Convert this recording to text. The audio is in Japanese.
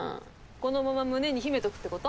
このまま胸に秘めとくってこと？